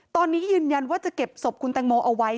ตอนนี้ยืนยันว่าจะเก็บศพคุณแตงโมเอาไว้